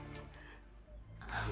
panas badannya sayang